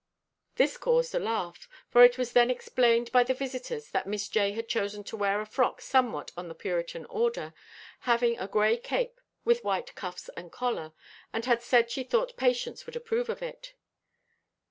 This caused a laugh, for it was then explained by the visitors that Miss J. had chosen to wear a frock somewhat on the Puritan order, having a gray cape with white cuffs and collar, and had said she thought Patience would approve of it.